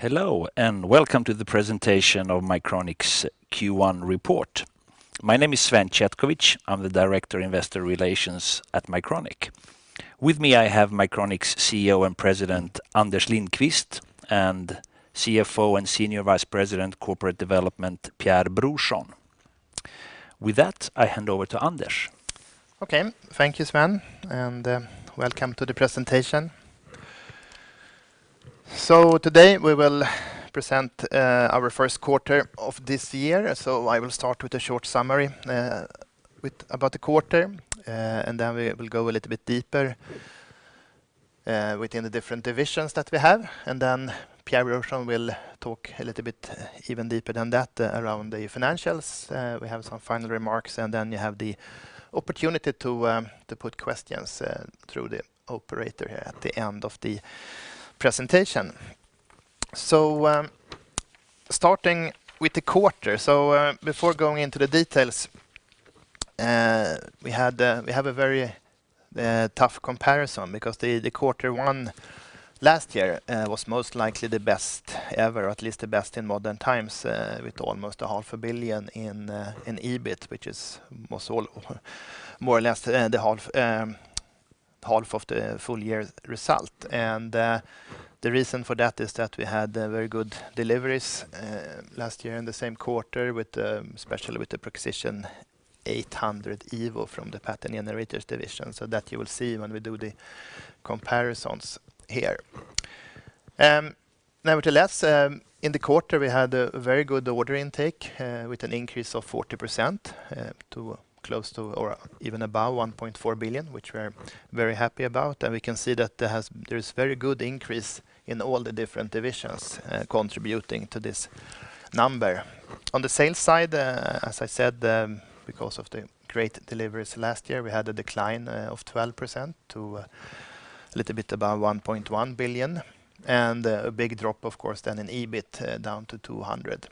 Hello, and welcome to the presentation of Mycronic's Q1 report. My name is Sven Chetkovich. I'm the Director, Investor Relations at Mycronic. With me, I have Mycronic's CEO and President, Anders Lindqvist, and CFO and Senior Vice President, Corporate Development, Pierre Brorsson. With that, I hand over to Anders. Okay. Thank you, Sven, and welcome to the presentation. Today, we will present our 1st quarter of this year. I will start with a short summary about the quarter, and then we will go a little bit deeper within the different divisions that we have. Then Pierre Brorsson will talk a little bit even deeper than that around the financials. We have some final remarks, and then you have the opportunity to put questions through the operator here at the end of the presentation. Starting with the quarter. Before going into the details, we have a very tough comparison because the quarter one last year was most likely the best ever, at least the best in modern times, with almost 500 million in EBIT, which is more or less half of the full year result. The reason for that is that we had very good deliveries last year in the same quarter with especially the Prexision 800 Evo from the Pattern Generators division, so that you will see when we do the comparisons here. Nevertheless, in the quarter, we had a very good order intake with an increase of 40% to close to or even above 1.4 billion, which we're very happy about. We can see that there is very good increase in all the different divisions contributing to this number. On the sales side, as I said, because of the great deliveries last year, we had a decline of 12% to a little bit above 1.1 billion. A big drop, of course, then in EBIT down to 200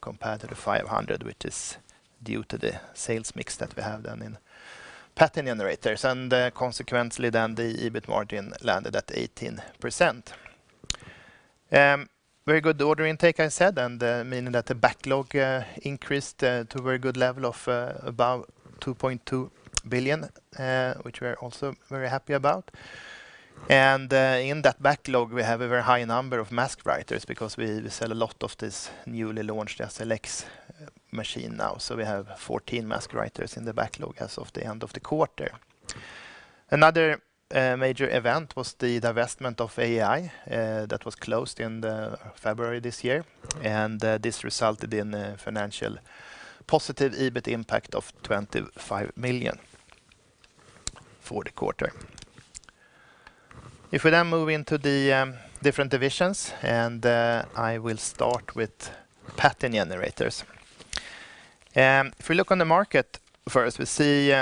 compared to the 500, which is due to the sales mix that we have done in Pattern Generators. Consequently, then the EBIT margin landed at 18%. Very good order intake I said, meaning that the backlog increased to a very good level of about 2.2 billion, which we're also very happy about. In that backlog, we have a very high number of mask writers because we sell a lot of this newly launched SLX machine now. We have 14 mask writers in the backlog as of the end of the quarter. Another major event was the divestment of AEI that was closed in February this year, and this resulted in a financial positive EBIT impact of 25 million for the quarter. If we then move into the different divisions, and I will start with Pattern Generators. If we look on the market 1st,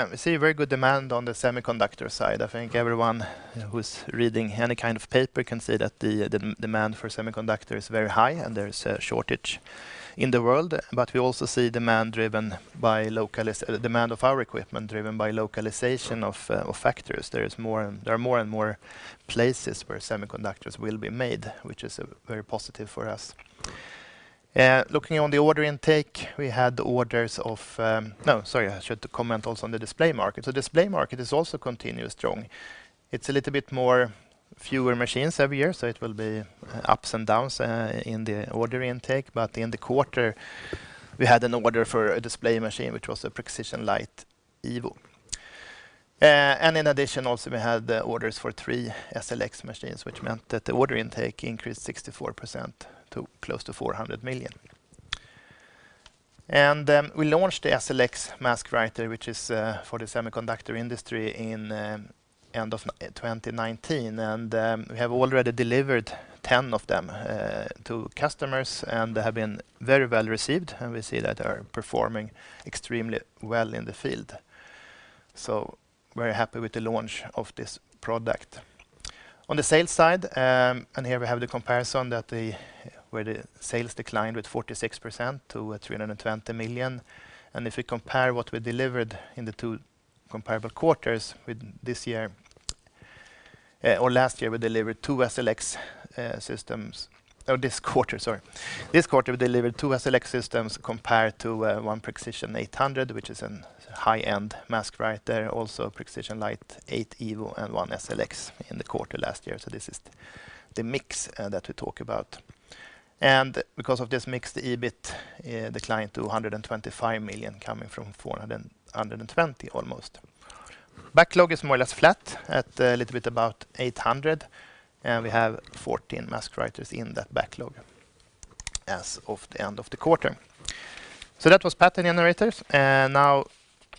we see very good demand on the semiconductor side. I think everyone who's reading any kind of paper can say that the demand for semiconductor is very high, and there's a shortage in the world. We also see demand driven by demand of our equipment driven by localization of factories. There are more and more places where semiconductors will be made, which is very positive for us. Looking on the order intake, we had orders of. No, sorry. I should comment also on the display market. The display market is also continuous strong. It's a little bit more fewer machines every year, so it will be ups and downs in the order intake. In the quarter, we had an order for a display machine, which was a Prexision Lite Evo. And in addition, also, we had the orders for three SLX machines, which meant that the order intake increased 64% to close to 400 million. We launched the SLX mask writer, which is for the semiconductor industry in end of 2019. We have already delivered 10 of them to customers, and they have been very well received, and we see that they are performing extremely well in the field. Very happy with the launch of this product. On the sales side, and here we have the comparison where the sales declined with 46% to 320 million. If we compare what we delivered in the two comparable quarters with this year, or last year, we delivered two SLX systems. Or this quarter, sorry. This quarter, we delivered two SLX systems compared to one Prexision 800, which is a high-end mask writer, also a Prexision Lite 8 Evo and one SLX in the quarter last year. This is the mix that we talk about. Because of this mix, the EBIT declined to 125 million coming from almost SEK 420 million. Backlog is more or less flat at a little bit about 800, and we have 14 mask writers in that backlog as of the end of the quarter. That was Pattern Generators. Now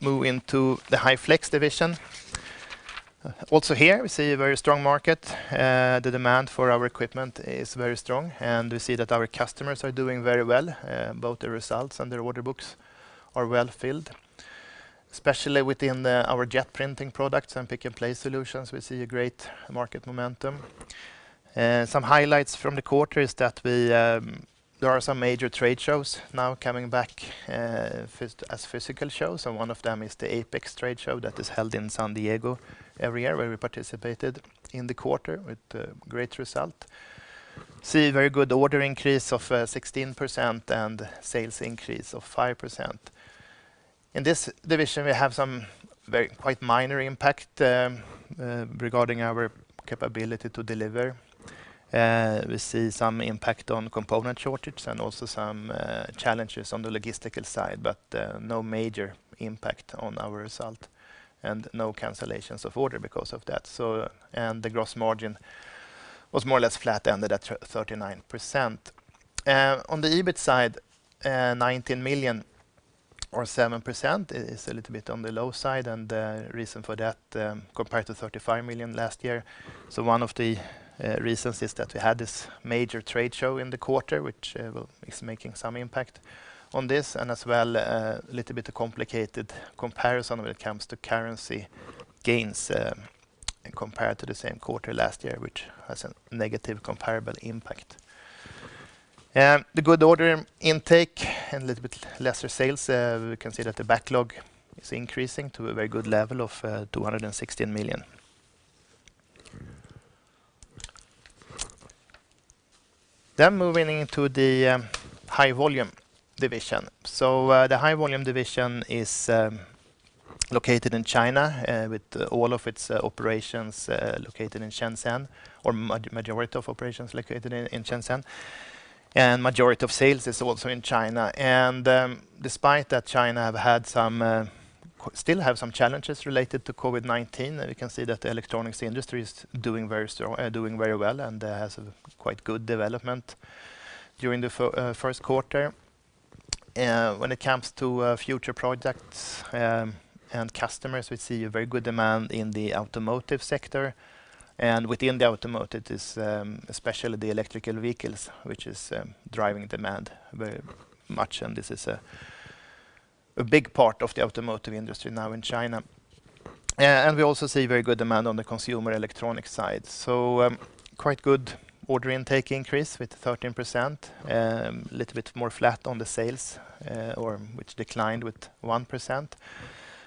move into the High Flex division. Also here, we see a very strong market. The demand for our equipment is very strong, and we see that our customers are doing very well. Both the results and their order books are well filled. Especially within our jet printing products and pick-and-place solutions, we see a great market momentum. Some highlights from the quarter is that there are some major trade shows now coming back as physical shows, and one of them is the APEX trade show that is held in San Diego every year, where we participated in the quarter with a great result. We see very good order increase of 16% and sales increase of 5%. In this division, we have some very minor impact regarding our capability to deliver. We see some impact on component shortage and also some challenges on the logistical side, but no major impact on our result and no cancellations of order because of that. The gross margin was more or less flat, ended at 39%. On the EBIT side, 19 million or 7% is a little bit on the low side and the reason for that, compared to 35 million last year. One of the reasons is that we had this major trade show in the quarter, which is making some impact on this, and as well, a little bit of complicated comparison when it comes to currency gains, in comparison to the same quarter last year, which has a negative comparable impact. The good order intake and a little bit lesser sales, we can see that the backlog is increasing to a very good level of 216 million. Moving into the High Volume division. The High Volume division is located in China with all of its operations located in Shenzhen or majority of operations located in Shenzhen. Majority of sales is also in China. Despite that China have had some still have some challenges related to COVID-19, we can see that the electronics industry is doing very well and has a quite good development during the 1st quarter. When it comes to future projects and customers, we see a very good demand in the automotive sector. Within the automotive it is especially the electric vehicles which is driving demand very much, and this is a big part of the automotive industry now in China. We also see very good demand on the consumer electronics side. Quite good order intake increase with 13%. A little bit more flat on the sales, or which declined with 1%.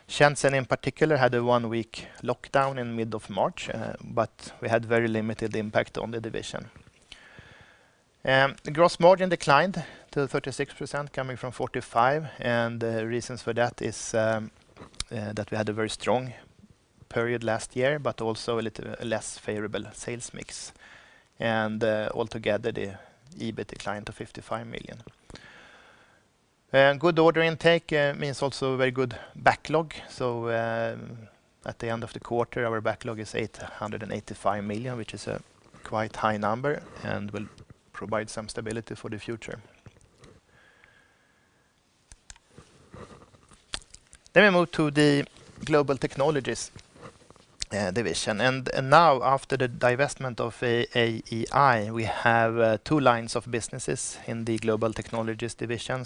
Shenzhen, in particular, had a one-week lockdown in mid of March, but we had very limited impact on the division. The gross margin declined to 36% coming from 45%, and the reasons for that is that we had a very strong period last year, but also a little less favorable sales mix. Altogether, the EBIT declined to 55 million. Good order intake means also very good backlog. At the end of the quarter, our backlog is 885 million, which is a quite high number and will provide some stability for the future. We move to the Global Technologies division. Now after the divestment of AEI, we have two lines of businesses in the Global Technologies division.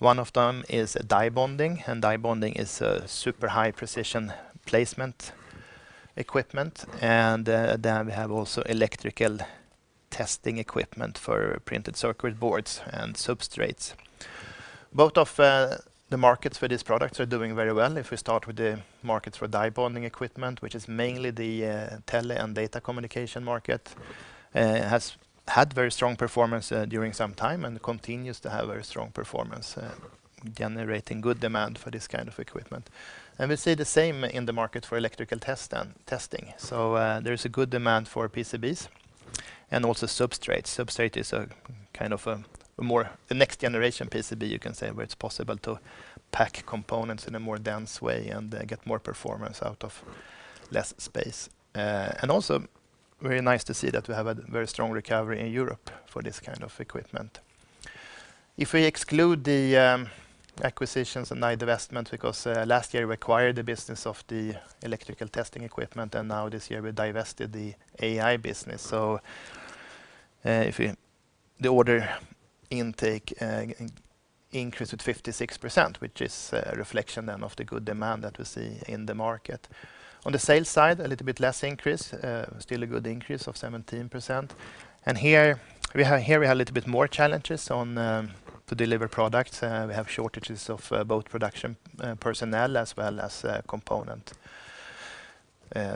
One of them is die bonding, and die bonding is super high precision placement equipment. We have also electrical testing equipment for printed circuit boards and substrates. Both of the markets for these products are doing very well. If we start with the markets for die bonding equipment, which is mainly the telecom and data communication market, it has had very strong performance during some time and continues to have very strong performance, generating good demand for this kind of equipment. We see the same in the market for electrical testing. There's a good demand for PCBs and also substrates. Substrate is a kind of the next generation PCB, you can say, where it's possible to pack components in a more dense way and get more performance out of less space. Also very nice to see that we have a very strong recovery in Europe for this kind of equipment. If we exclude the acquisitions and divestment, because last year we acquired the business of the electrical testing equipment, and now this year we divested the AEI business. The order intake increased with 56%, which is a reflection then of the good demand that we see in the market. On the sales side, a little bit less increase, still a good increase of 17%. Here we have a little bit more challenges on to deliver products. We have shortages of both production personnel as well as component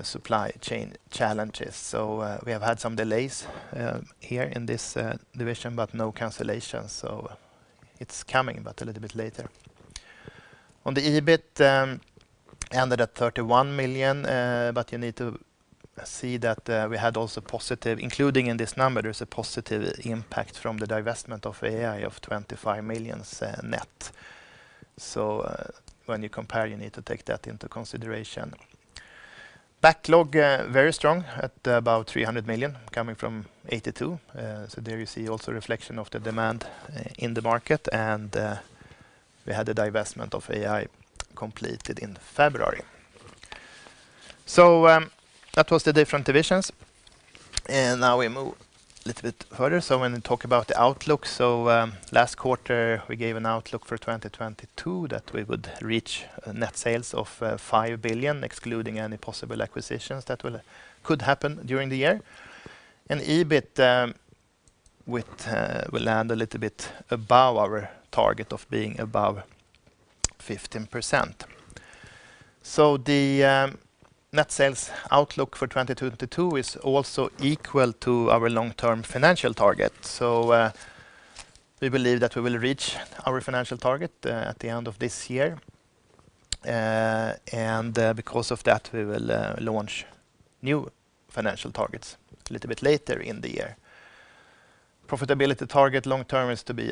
supply chain challenges. We have had some delays here in this division, but no cancellations, so it's coming but a little bit later. On the EBIT, ended at 31 million, but you need to see that, we had also positive, including in this number, there's a positive impact from the divestment of AEI of 25 million, net. When you compare, you need to take that into consideration. Backlog, very strong at about 300 million coming from 82 million. There you see also reflection of the demand in the market. We had the divestment of AEI completed in February. That was the different divisions. Now we move a little bit further. When we talk about the outlook, last quarter, we gave an outlook for 2022 that we would reach net sales of 5 billion, excluding any possible acquisitions that could happen during the year. EBIT will land a little bit above our target of being above 15%. The net sales outlook for 2022 is also equal to our long-term financial target. We believe that we will reach our financial target at the end of this year. Because of that, we will launch new financial targets a little bit later in the year. Profitability target long-term is to be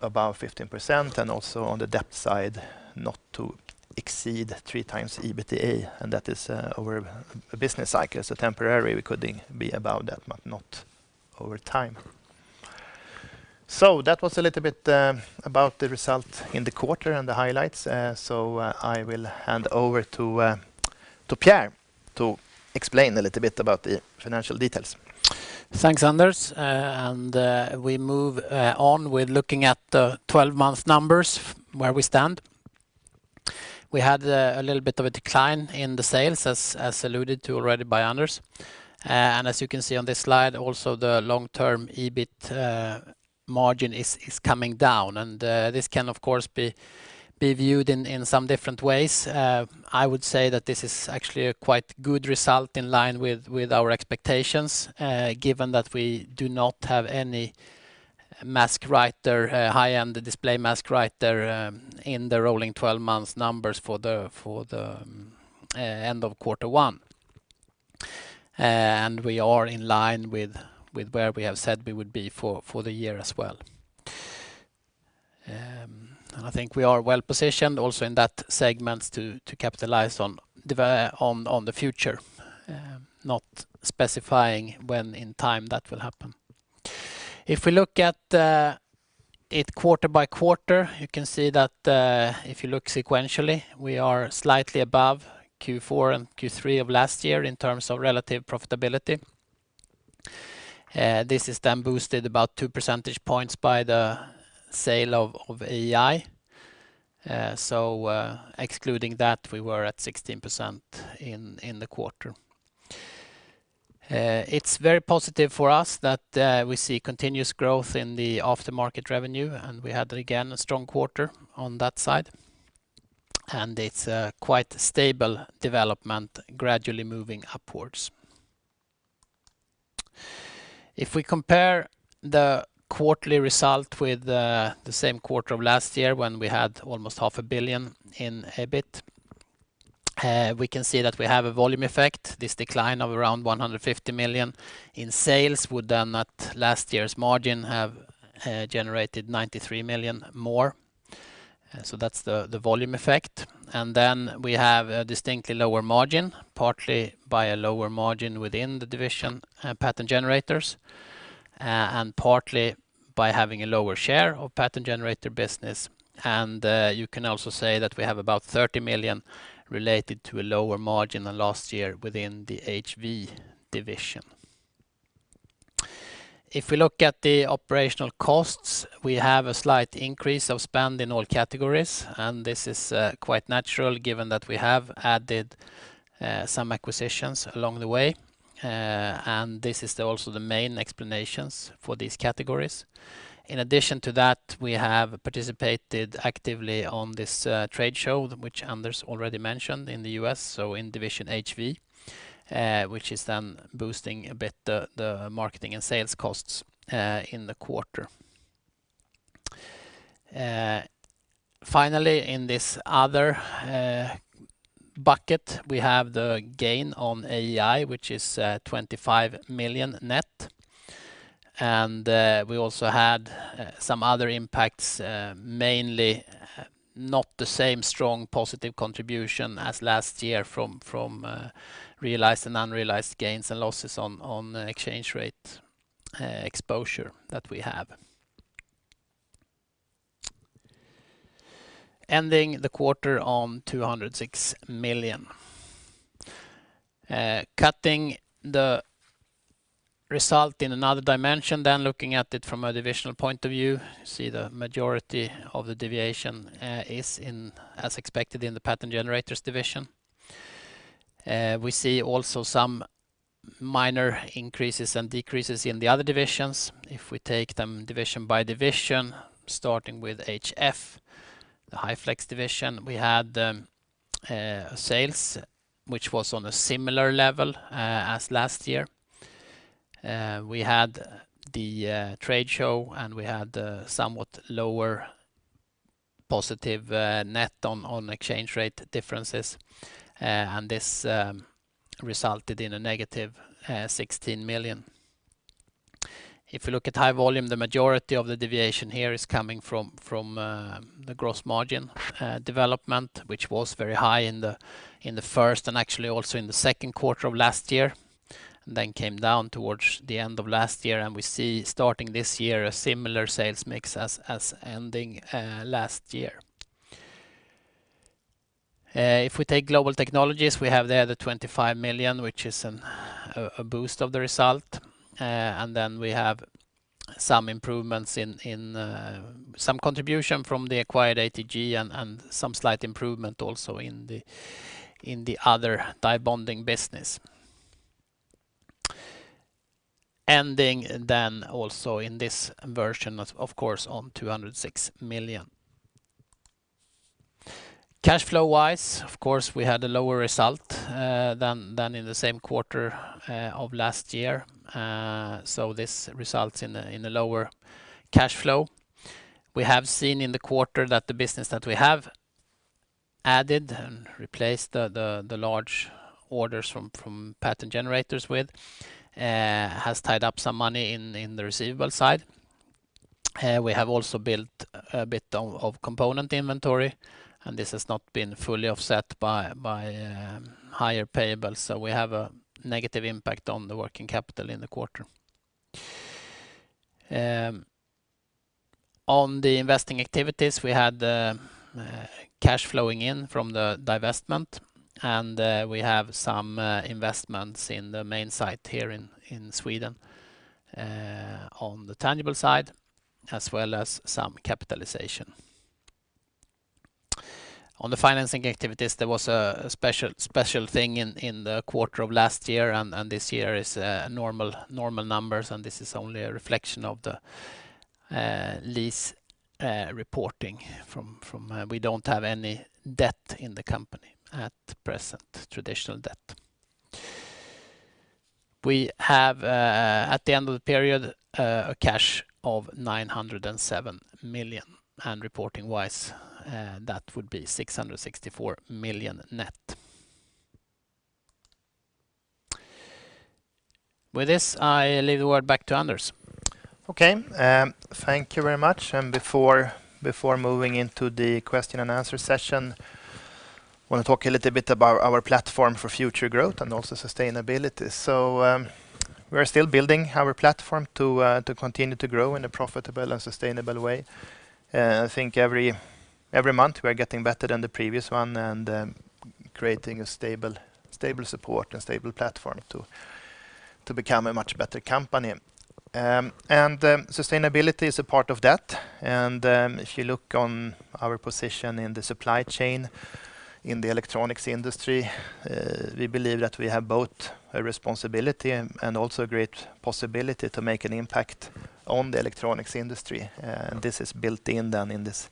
above 15%, and also on the debt side, not to exceed three times EBITDA, and that is over a business cycle. Temporarily, we could be above that, but not over time. That was a little bit about the result in the quarter and the highlights. I will hand over to Pierre to explain a little bit about the financial details. Thanks, Anders. We move on with looking at the twelve-month numbers where we stand. We had a little bit of a decline in the sales as alluded to already by Anders. As you can see on this slide, also the long-term EBIT margin is coming down. This can of course be viewed in some different ways. I would say that this is actually a quite good result in line with our expectations, given that we do not have any mask writer, high-end display mask writer, in the rolling twelve months numbers for the end of quarter one. We are in line with where we have said we would be for the year as well. I think we are well-positioned also in that segment to capitalize on the future, not specifying when in time that will happen. If we look at it quarter by quarter, you can see that if you look sequentially, we are slightly above Q4 and Q3 of last year in terms of relative profitability. This is then boosted about two percentage points by the sale of AEI. Excluding that, we were at 16% in the quarter. It's very positive for us that we see continuous growth in the after-market revenue, and we had again a strong quarter on that side. It's a quite stable development gradually moving upwards. If we compare the quarterly result with the same quarter of last year when we had almost 500 million in EBIT, we can see that we have a volume effect. This decline of around 150 million in sales would then at last year's margin have generated 93 million more. That's the volume effect. Then we have a distinctly lower margin, partly by a lower margin within the division Pattern Generators, and partly by having a lower share of Pattern Generator business. You can also say that we have about 30 million related to a lower margin than last year within the HV division. If we look at the operational costs, we have a slight increase of spend in all categories, and this is quite natural given that we have added some acquisitions along the way. This is also the main explanations for these categories. In addition to that, we have participated actively on this trade show, which Anders already mentioned in the U.S., so in division HV, which is then boosting a bit the marketing and sales costs in the quarter. Finally, in this other bucket, we have the gain on AEI, which is 25 million net. We also had some other impacts, mainly not the same strong positive contribution as last year from realized and unrealized gains and losses on exchange rate exposure that we have. Ending the quarter on 206 million. Cutting the result in another dimension, looking at it from a divisional point of view, we see the majority of the deviation is in, as expected, the Pattern Generators division. We see some minor increases and decreases in the other divisions. If we take them division by division, starting with HF, the High Flex division, we had sales which was on a similar level as last year. We had the trade show, and we had somewhat lower positive net on exchange rate differences. This resulted in a negative 16 million. If we look at High Volume, the majority of the deviation here is coming from the gross margin development, which was very high in the 1st and actually also in the 2nd quarter of last year, and then came down towards the end of last year. We see starting this year a similar sales mix as ending last year. If we take Global Technologies, we have there the 25 million, which is a boost of the result. We have some improvements in some contribution from the acquired ATG and some slight improvement also in the other die bonding business. Also in this division of course on 206 million. Cash flow-wise, of course, we had a lower result than in the same quarter of last year. This results in a lower cash flow. We have seen in the quarter that the business that we have added and replaced the large orders from Pattern Generators with has tied up some money in the receivable side. We have also built a bit of component inventory, and this has not been fully offset by higher payables. We have a negative impact on the working capital in the quarter. On the investing activities, we had the cash flowing in from the divestment, and we have some investments in the main site here in Sweden on the tangible side, as well as some capitalization. On the financing activities, there was a special thing in the quarter of last year, and this year is normal numbers, and this is only a reflection of the lease reporting from. We don't have any debt in the company at present, traditional debt. We have at the end of the period a cash of 907 million, and reporting-wise, that would be 664 million net. With this, I leave the word back to Anders. Okay. Thank you very much. Before moving into the question and answer session, I want to talk a little bit about our platform for future growth and also sustainability. We're still building our platform to continue to grow in a profitable and sustainable way. I think every month we are getting better than the previous one and creating a stable support and stable platform to become a much better company. Sustainability is a part of that. If you look on our position in the supply chain in the electronics industry, we believe that we have both a responsibility and also a great possibility to make an impact on the electronics industry. This is built in then in this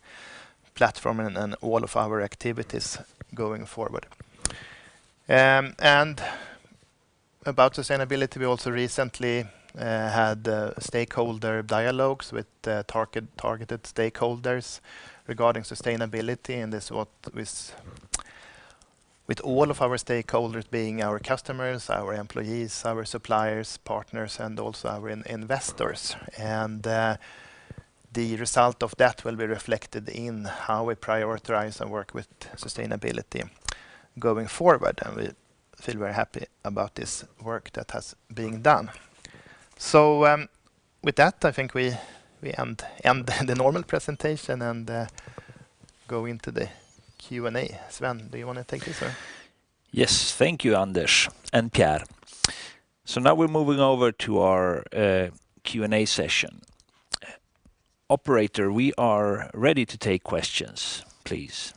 platform and all of our activities going forward. About sustainability, we also recently had stakeholder dialogues with targeted stakeholders regarding sustainability, and this was with all of our stakeholders being our customers, our employees, our suppliers, partners, and also our investors. The result of that will be reflected in how we prioritize and work with sustainability going forward, and we feel very happy about this work that has been done. With that, I think we end the normal presentation and go into the Q&A. Sven, do you want to take this or? Yes. Thank you, Anders and Pierre. Now we're moving over to our Q&A session. Operator, we are ready to take questions, please.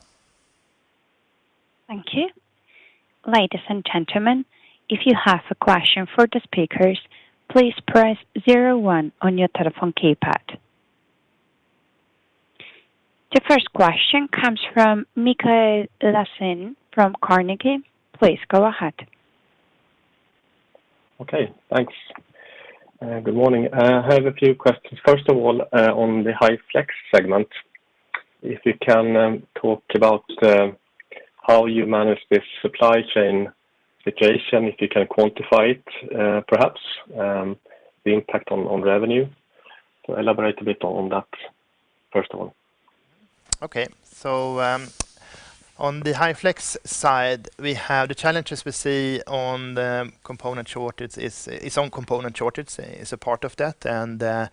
Thank you. Ladies and gentlemen, if you have a question for the speakers, please press zero one on your telephone keypad. The 1st question comes from Mikael Lassén from Carnegie. Please go ahead. Okay. Thanks. Good morning. I have a few questions. First of all, on the High Flex segment, if you can talk about how you manage this supply chain situation, if you can quantify it, perhaps the impact on revenue. Elaborate a bit on that, 1st of all. Okay. On the High Flex side, we have the challenges we see. The component shortage is a part of that.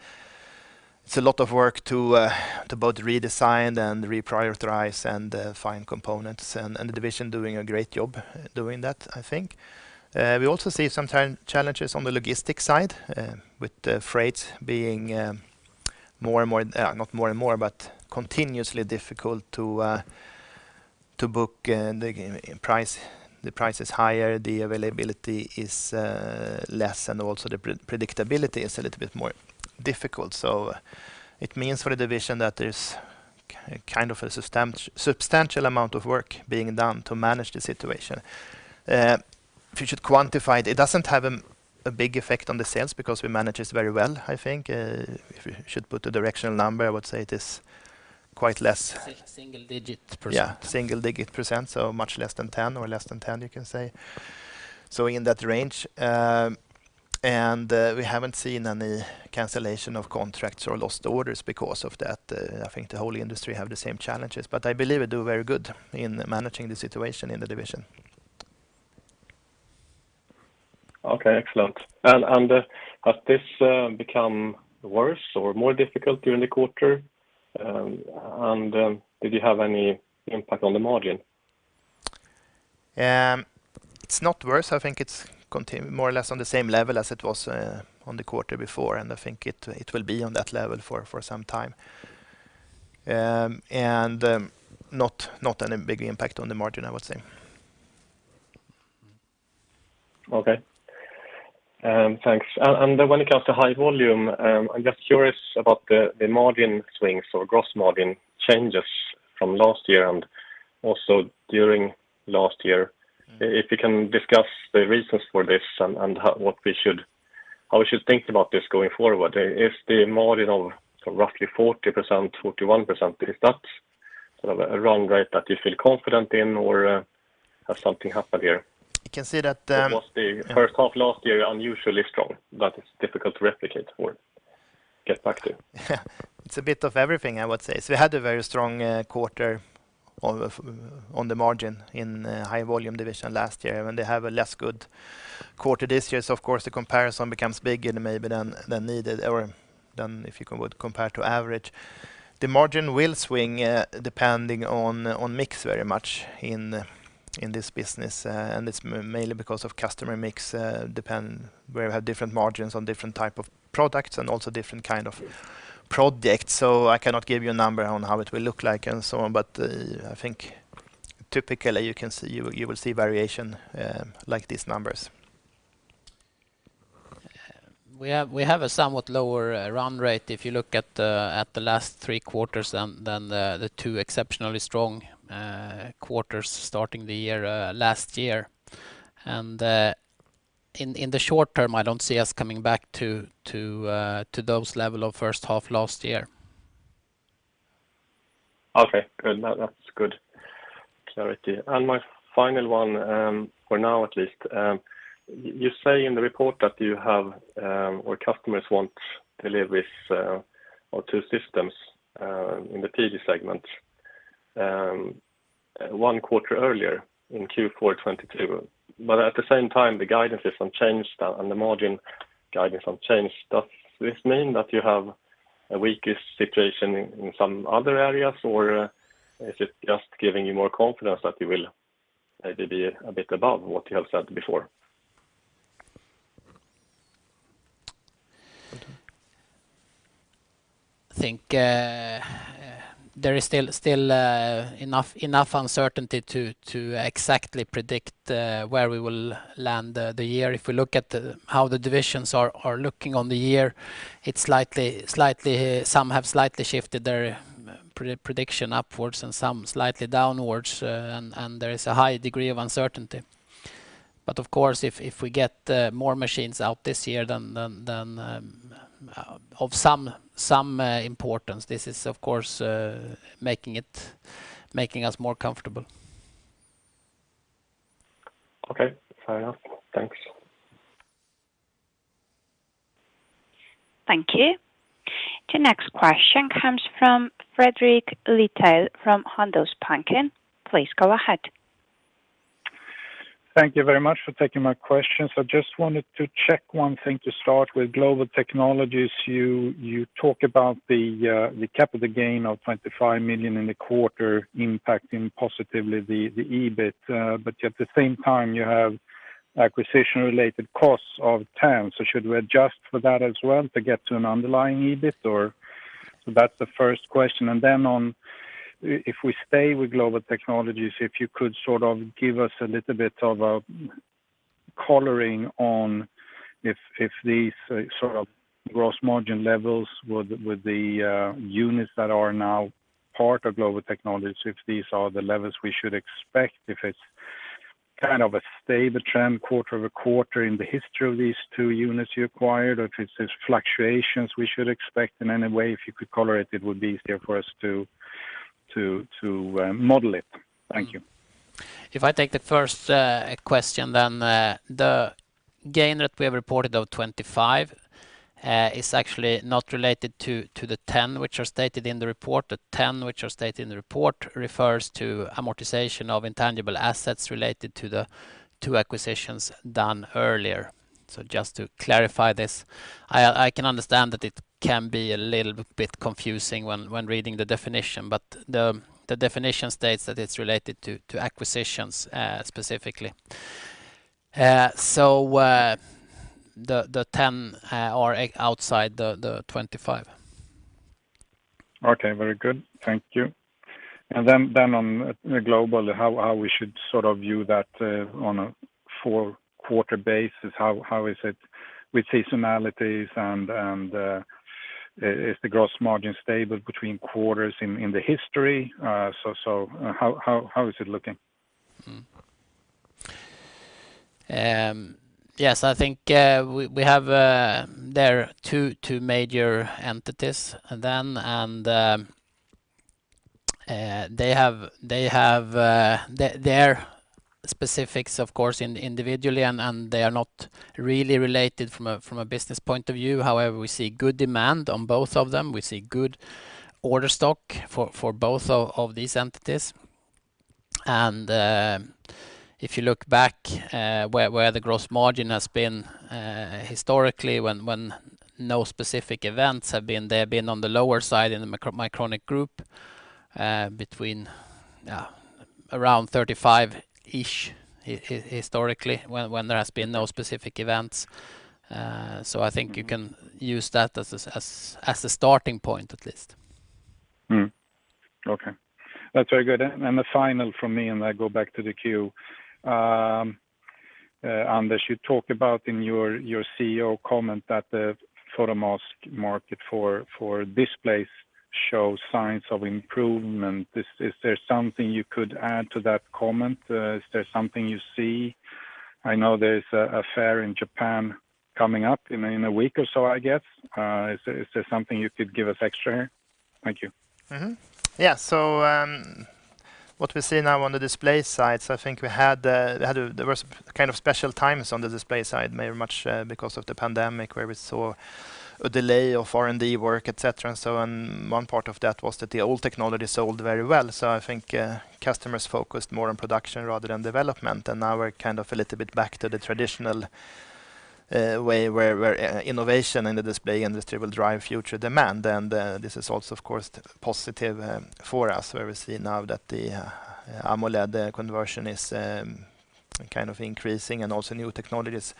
It's a lot of work to both redesign and reprioritize and find components and the division doing a great job doing that, I think. We also see some challenges on the logistics side with the freights being continuously difficult to book the price. The price is higher, the availability is less, and also the predictability is a little bit more difficult. It means for the division that there's kind of a substantial amount of work being done to manage the situation. If you should quantify it doesn't have a big effect on the sales because we manage this very well, I think. If you should put a directional number, I would say it is quite less. It's a single-digit percent. Yeah, single-digit percent, so much less than 10% or less than 10%, you can say. In that range. We haven't seen any cancellation of contracts or lost orders because of that. I think the whole industry have the same challenges, but I believe we do very good in managing the situation in the division. Okay. Excellent. Anders, has this become worse or more difficult during the quarter? Did you have any impact on the margin? It's not worse. I think it's more or less on the same level as it was on the quarter before, and I think it will be on that level for some time. Not a big impact on the margin, I would say. Okay. Thanks. When it comes to High Volume, I'm just curious about the margin swings or gross margin changes from last year and also during last year. If you can discuss the reasons for this and how we should think about this going forward. If the margin of sort of roughly 40%, 41%, is that sort of a run rate that you feel confident in or has something happened here? You can see that. Was the 1st half last year unusually strong that it's difficult to replicate or get back to? It's a bit of everything, I would say. We had a very strong quarter on the margin in High Volume division last year. When they have a less good quarter this year, the comparison becomes bigger than maybe needed or than if you would compare to average. The margin will swing depending on mix very much in this business. It's mainly because of customer mix, depending where we have different margins on different type of products and also different kind of projects. I cannot give you a number on how it will look like and so on. I think typically you will see variation like these numbers. We have a somewhat lower run rate if you look at the last three quarters than the two exceptionally strong quarters starting the year last year. In the short term, I don't see us coming back to those level of 1st half last year. Okay, good. That's good clarity. My final one, for now at least, you say in the report that you have, or customers want to live with our two systems in the PG segment one quarter earlier in Q4 2022. At the same time, the guidance is unchanged and the margin guidance unchanged. Does this mean that you have a weaker situation in some other areas, or is it just giving you more confidence that you will maybe be a bit above what you have said before? I think there is still enough uncertainty to exactly predict where we will land the year. If we look at how the divisions are looking on the year, it's slightly. Some have slightly shifted their prediction upwards and some slightly downwards. There is a high degree of uncertainty. Of course, if we get more machines out this year than of some importance, this is of course making us more comfortable. Okay. Fair enough. Thanks. Thank you. The next question comes from Fredrik Lithell from Handelsbanken Capital. Please go ahead. Thank you very much for taking my questions. I just wanted to check one thing to start with Global Technologies. You talk about the capital gain of 25 million in the quarter impacting positively the EBIT, but at the same time, you have acquisition-related costs of SEK 10 million. Should we adjust for that as well to get to an underlying EBIT, or? That's the 1st question. If we stay with Global Technologies, if you could sort of give us a little bit of a coloring on if these sort of gross margin levels with the units that are now part of Global Technologies, if these are the levels we should expect, if it's kind of a stable trend quarter-over-quarter in the history of these two units you acquired, or if it's just fluctuations we should expect in any way. If you could color it would be easier for us to model it. Thank you. If I take the 1st question, then, the gain that we have reported of 25 million is actually not related to the 10 million which are stated in the report. The 10 million which are stated in the report refers to amortization of intangible assets related to the two acquisitions done earlier. Just to clarify this, I can understand that it can be a little bit confusing when reading the definition, but the definition states that it's related to acquisitions specifically. The 10 million are outside the 25 million. Okay. Very good. Thank you. On Global, how we should sort of view that on a four-quarter basis, how is it with seasonalities and is the gross margin stable between quarters in the history? How is it looking? Yes. I think we have two major entities then, and they have their specifics of course individually and they are not really related from a business point of view. However, we see good demand on both of them. We see good order stock for both of these entities. If you look back where the gross margin has been historically when no specific events have been on the lower side in the Mycronic group, around 35%. I think you can use that as a starting point at least. Okay. That's very good. The final from me, and I go back to the queue. Anders, you talk about in your CEO comment that the photomask market for displays shows signs of improvement. Is there something you could add to that comment? Is there something you see? I know there's a fair in Japan coming up in a week or so, I guess. Is there something you could give us extra here? Thank you. What we see now on the display side, I think we had there was kind of special times on the display side, very much, because of the pandemic, where we saw a delay of R&D work, et cetera, and so on. One part of that was that the old technology sold very well. I think customers focused more on production rather than development, and now we're kind of a little bit back to the traditional way where innovation in the display industry will drive future demand. This is also of course positive for us, where we see now that the AMOLED conversion is kind of increasing and also new technologies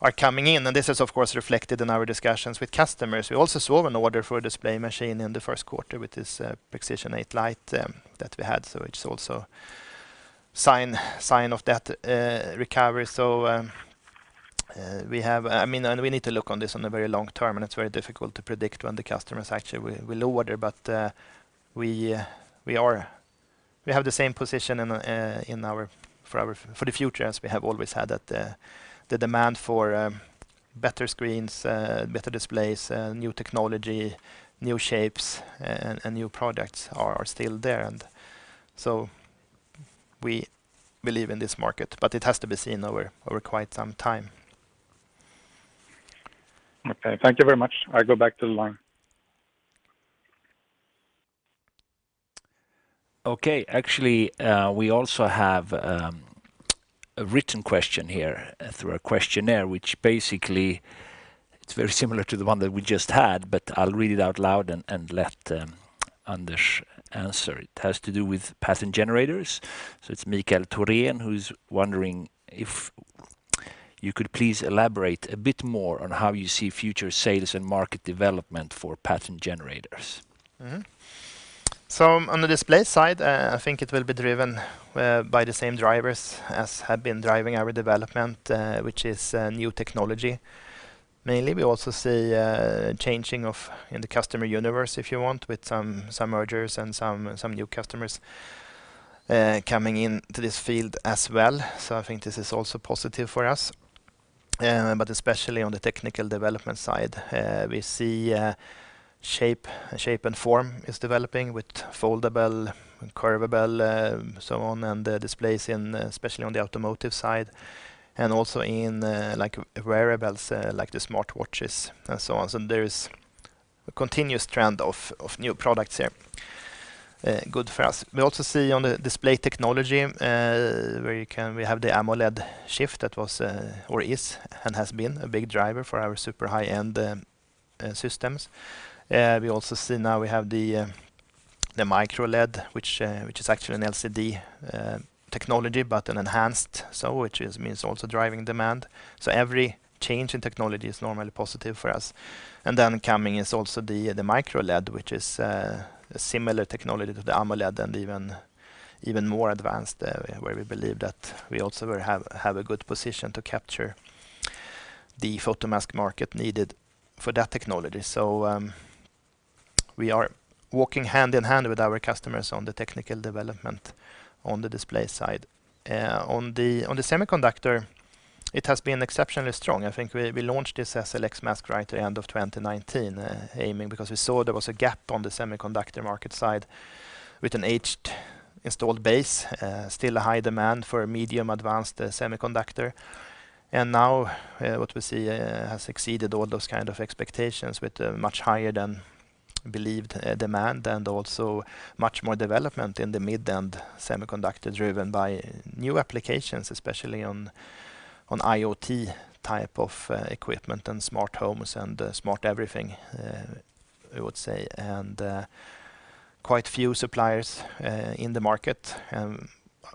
are coming in. This is of course reflected in our discussions with customers. We also saw an order for a display machine in the 1st quarter with this Prexision Lite that we had. It's also sign of that recovery. I mean, we need to look on this on a very long term, and it's very difficult to predict when the customers actually will order. We have the same position in our for our for the future as we have always had, that the demand for better screens, better displays, new technology, new shapes, and new products are still there. We believe in this market, but it has to be seen over quite some time. Okay. Thank you very much. I go back to the line. Okay. Actually, we also have a written question here through a questionnaire, which basically it's very similar to the one that we just had, but I'll read it out loud and let Anders answer. It has to do with Pattern Generators. It's Mikael Thorén who's wondering if you could please elaborate a bit more on how you see future sales and market development for Pattern Generators. On the display side, I think it will be driven by the same drivers as have been driving our development, which is new technology mainly. We also see change in the customer universe, if you want, with some mergers and some new customers coming into this field as well. I think this is also positive for us. Especially on the technical development side, we see shape and form is developing with foldable and curvable, so on, and the displays, in especially on the automotive side and also in like wearables, like the smart watches and so on. There is a continuous trend of new products here. Good for us. We also see on the display technology, we have the AMOLED shift that was, or is and has been a big driver for our super high-end systems. We also see now we have the MicroLED, which is actually an LCD technology, but an enhanced, which means also driving demand. Every change in technology is normally positive for us. Coming is also the MicroLED, which is a similar technology to the AMOLED and even more advanced, where we believe that we also will have a good position to capture the photomask market needed for that technology. We are walking hand in hand with our customers on the technical development on the display side. On the semiconductor, it has been exceptionally strong. I think we launched this SLX mask right at the end of 2019, aiming because we saw there was a gap on the semiconductor market side with an aged installed base, still a high demand for a medium advanced semiconductor. Now, what we see has exceeded all those kind of expectations with a much higher than believed demand and also much more development in the mid-end semiconductor driven by new applications, especially on IoT type of equipment and smart homes and smart everything, I would say. Quite few suppliers in the market.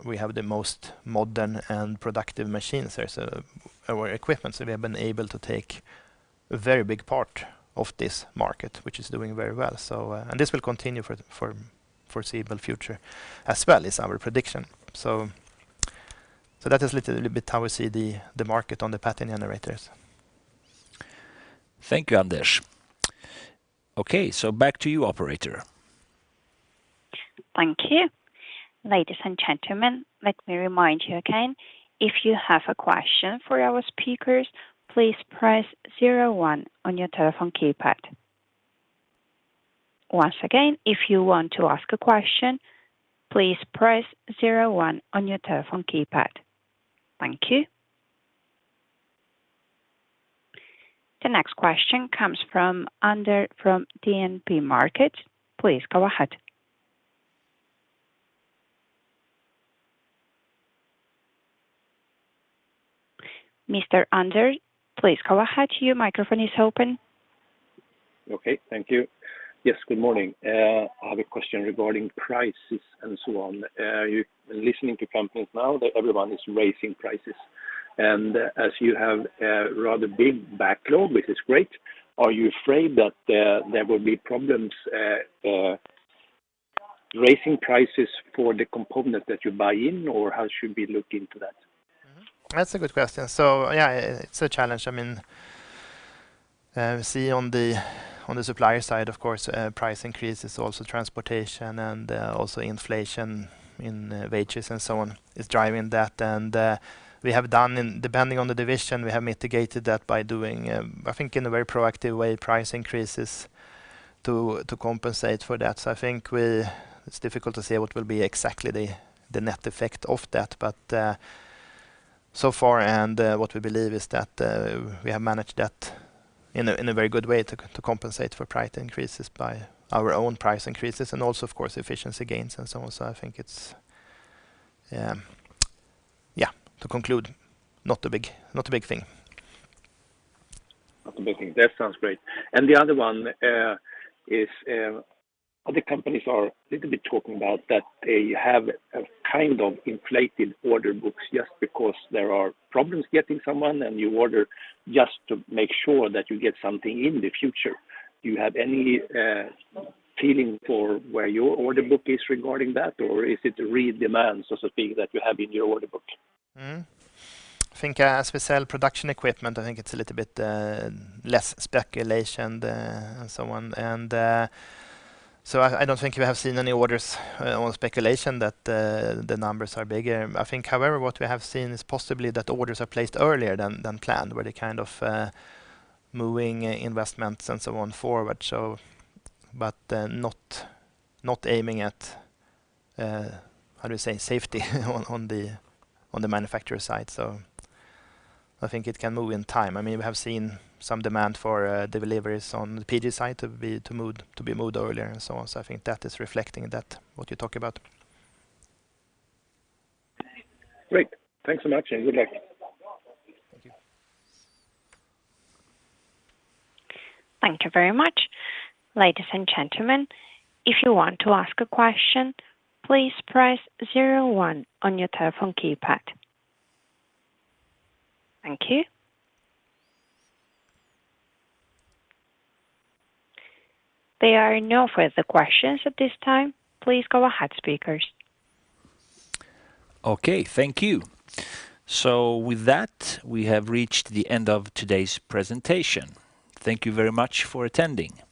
We have the most modern and productive machines. There's our equipment, so we have been able to take a very big part of this market, which is doing very well. This will continue for the foreseeable future as well is our prediction. That is a little bit how we see the market on the Pattern Generators. Thank you, Anders. Okay, back to you, operator. Thank you. Ladies and gentlemen, let me remind you again, if you have a question for our speakers, please press zero-one on your telephone keypad. Once again, if you want to ask a question, please press zero-one on your telephone keypad. Thank you. The next question comes from Anders from DNB Markets. Please go ahead. Mr. Anders, please go ahead. Your microphone is open. Okay. Thank you. Yes, good morning. I have a question regarding prices and so on. You're listening to companies now that everyone is raising prices. As you have a rather big backlog, which is great, are you afraid that there will be problems raising prices for the component that you buy in or how should we look into that? That's a good question. Yeah, it's a challenge. I mean, we see on the supplier side, of course, price increases, also transportation and also inflation in wages and so on is driving that. Depending on the division, we have mitigated that by doing, I think in a very proactive way, price increases to compensate for that. I think it's difficult to say what will be exactly the net effect of that. So far and what we believe is that we have managed that in a very good way to compensate for price increases by our own price increases and also, of course, efficiency gains and so on. I think it's yeah. To conclude, not a big thing. Not a big thing. That sounds great. The other one is other companies are a little bit talking about that they have a kind of inflated order books just because there are problems getting components and you order just to make sure that you get something in the future. Do you have any feeling for where your order book is regarding that or is it real demand, so to speak, that you have in your order book? I think as we sell production equipment, I think it's a little bit less speculation and so on. I don't think we have seen any orders or speculation that the numbers are bigger. I think, however, what we have seen is possibly that orders are placed earlier than planned, where they're kind of moving investments and so on forward. Not aiming at, how do you say, safety on the manufacturer side. I think it can move in time. I mean, we have seen some demand for deliveries on the PG side to be moved earlier and so on. I think that is reflecting that, what you talk about. Great. Thanks so much and good luck. Thank you. Thank you very much. Ladies and gentlemen, if you want to ask a question, please press zero one on your telephone keypad. Thank you. There are no further questions at this time. Please go ahead, speakers. Okay. Thank you. With that, we have reached the end of today's presentation. Thank you very much for attending.